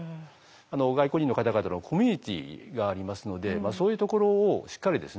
外国人の方々のコミュニティーがありますのでそういうところをしっかりですね